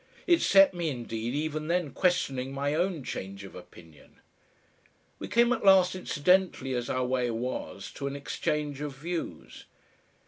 It set me, indeed, even then questioning my own change of opinion. We came at last incidentally, as our way was, to an exchange of views.